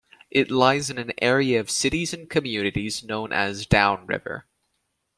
It lies in an area of cities and communities known as Downriver.